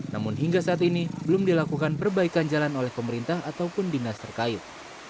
namun hingga saat ini belum dilakukan perbaikan jalan oleh pemerintah ataupun dinas terkait